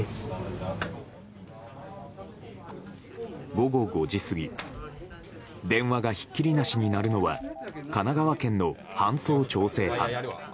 午後５時過ぎ電話がひっきりなしに鳴るのは神奈川県の搬送調整班。